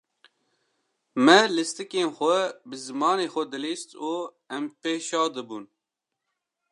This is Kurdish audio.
Me lîstîkên xwe bi zimanê xwe dilîst û em pê şa dibûn.